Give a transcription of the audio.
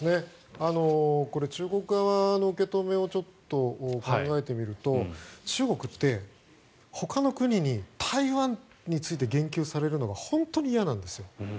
これ中国側の受け止めを考えてみると中国って、ほかの国に台湾について言及されるのが本当に嫌なんです。